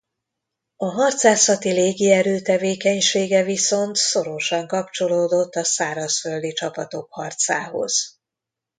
A harcászati légierő tevékenysége viszont szorosan kapcsolódott a szárazföldi csapatok harcához.